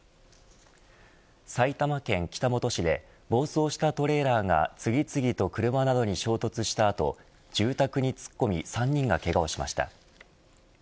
埼玉県北本市で暴走したトレーラーが次々と車などに衝突した後住宅に突っ込み３人がけがをしました。